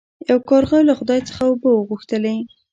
یو کارغه له خدای څخه اوبه وغوښتلې.